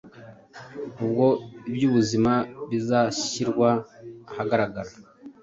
ubwo iby’ubuzima bizashyirwa ahagaragara,